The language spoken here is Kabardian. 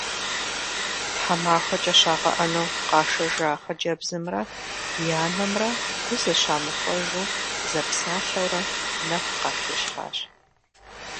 Тхьэмахуэкӏэ щагъэӏэну къашэжа хъыджэбзымрэ и анэмрэ гу зыщамыхуэжу зэпсалъэурэ нэху къатещхьащ.